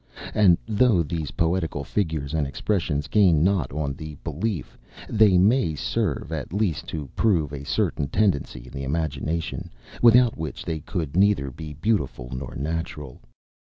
And though these poetical figures and expressions gain not on the belief; they may serve, at least, to prove a certain tendency in the imagination, without which they could neither be beautiful nor natural.